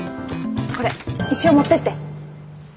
これ一応持ってって。